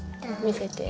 見せて。